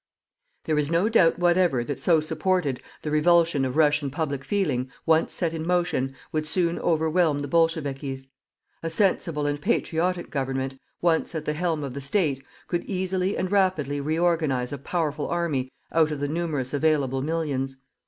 There is no doubt whatever that so supported, the revulsion of Russian public feeling, once set in motion, would soon overwhelm the bolchevikis. A sensible and patriotic government, once at the helm of the state, could easily and rapidly reorganize a powerful army out of the numerous available millions.